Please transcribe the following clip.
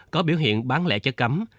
có biểu hiện bán lệ chất cấm